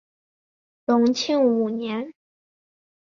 隆庆五年。